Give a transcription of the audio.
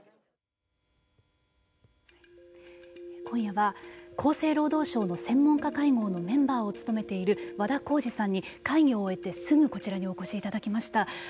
今夜は厚生労働省の専門家会合のメンバーを務めている和田耕治さんに会議を終えてすぐこちらにお越しいただきました。